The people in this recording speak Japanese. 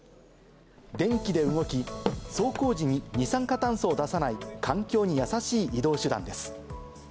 電気で動き、走行時に二酸化炭素を出さない、環境に優しい移動手段です。